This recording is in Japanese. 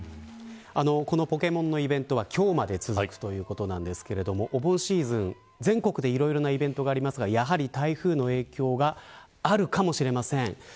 このポケモンのイベントは今日まで続くということなんですがお盆シーズン、全国でいろんなイベントがありますがやはり台風の影響があるかもしれません。